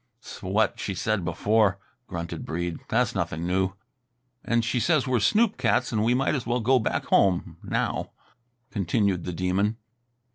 "'S what she said before," grunted Breede. "Tha's nothing new." "And she says we're snoop cats and we might as well go back home now," continued the Demon.